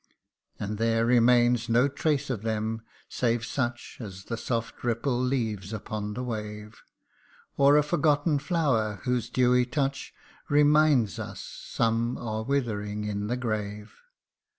And there remains no trace of them, save such As the soft ripple leaves upon the wave ; Or a forgotten flower, whose dewy touch Reminds us some are withering in the grave